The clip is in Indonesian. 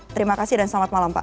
terima kasih dan selamat malam pak